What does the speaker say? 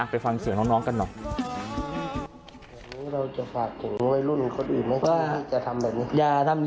ไปฟังเสียงน้องกันหน่อย